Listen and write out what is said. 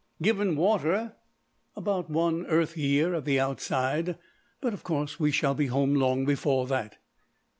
"Given water, about one Earth year at the outside;" "but, of course, we shall be home long before that."